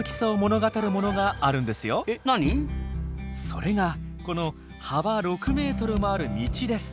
それがこの幅６ｍもある道です。